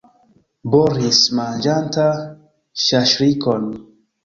Boris, manĝanta ŝaŝlikon.